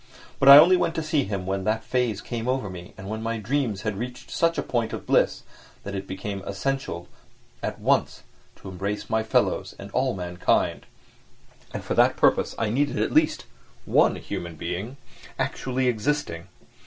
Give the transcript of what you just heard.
But I only went to see him when that phase came over me, and when my dreams had reached such a point of bliss that it became essential at once to embrace my fellows and all mankind; and for that purpose I needed, at least, one human being, actually existing.